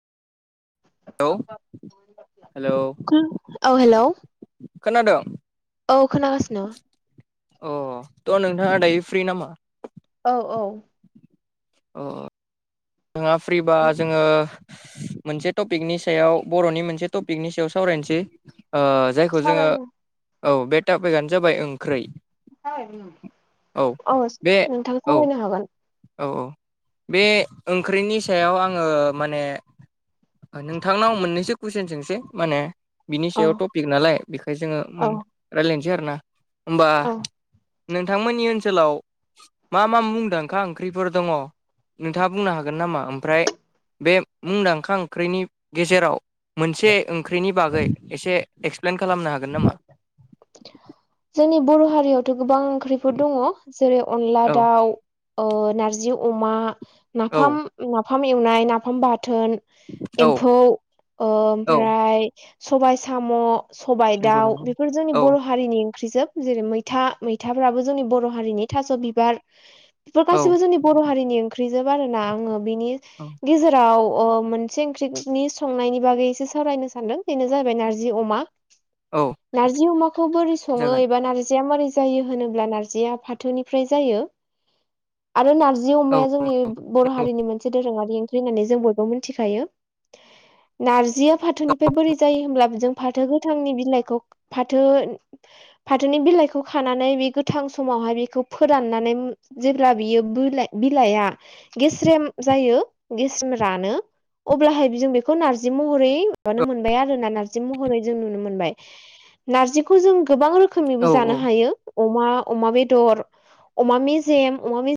औ hello hello खोनादों औ खोनागासिनो अ थ' नोंथाङा दायो फ्रि नामा औ औ जोंहा फ्रिबा जोङो मोनसे टपिकनि सायाव बर'नि मोनसे टपिकनि सायाव सावरायनोसै ओ जायखौ जोङो सावरायनो औ बे टापिकआनो जाबाय ओंख्रै औ बे नोंथां औ खावायनो हागोन औ औ बे ओंख्रिनि सायाव आङो माने नोंथांनाव मोननैसो कुइसन सोंसै माने बिनि औ सायाव टपिक नालाय बेखाय जोङो औ मोन राय्लायनोसै आरो ना होनोमबा औ नोंथांमोननि ओनसोलाव मा मा मुंदांखा ओंख्रिफोर दङ नोंथाङा बुंनो हागोन नामा ओमफ्राय बे मुंदांखा ओंख्रिनि गेजेराव मोनसे ओंख्रिनि बागै एसे एक्सप्लेन खालामनो हागोन नामा जोंनि बर' हारियावथ' गोबां ओंख्रिफोर दङ जेरै अनला औ दाउ नारजि अमा औ नाफाम नाफाम एवनाय नाफाम बाथोन औ एम्फौ औ ओमफ्राय सबाइ साम' सबाय नंगौ दाउ नंगौ बेफोर जोंनि औ बर' हा बर' हारिनि ओंख्रिजोब जेरै मैथा मैथाफ्राबो जोंनि बर' हारिनि थास' बिबार बेफोर औ गासिबो जोंनि बर' हारिनि ओंख्रिजोब आरो ना आङो बिनि औ गेजेराव मोनसे ओंख्रिनि संनायनि बागैसो सावरायनो सानदों बेनो जाहैबाय नारजि अमा औ नारजि अमाखौ बोरै सङो जागोन एबा नारजिया मोरै होनोब्ला नारजिया फाथोनिफ्राय जायो आरो नार जि औ अमाया जोंनि बर' हारिनि मोनसे दोरोङारि ओंख्रि होननानै जों बयबो मिथिखायो नारजिया फाथोनिफ्राय बोरै जायो होनब्ला बिजों फाथो गोथांनि बिलाइखौ फाथो फाथोनि बिलाइखौ खानानै बे गोथां समावहाय बेखौ फोराननानै जेब्ला बियो बिला बिलाइआ गेस्रेम जायो गेस्रेम रानो अब्लाहाय जों बेखौ नार्जि महरै माबानो मोनबाय आरो ना नार्जि महरै जों नुनो मोनबाय नारजिखौ जों गोबां रोखोमनिबो औ जानो औ हायो अमा अमा बेदर अमा मेजेम अमा मि